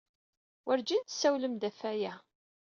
Werjin tessawlem-d ɣef waya-a.